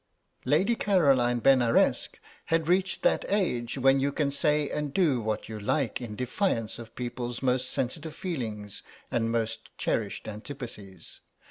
Lady Caroline Benaresq had reached that age when you can say and do what you like in defiance of people's most sensitive feelings and most cherished antipathies.